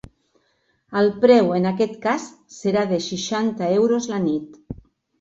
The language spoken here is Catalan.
El preu en aquest cas serà de seixanta euros la nit.